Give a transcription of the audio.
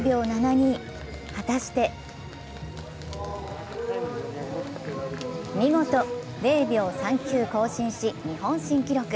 果たして見事、０秒３９更新し日本新記録。